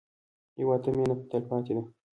هېواد ته مېنه تلپاتې ده